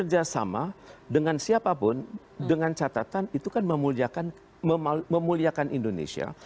kerjasama dengan siapapun dengan catatan itu kan memuliakan indonesia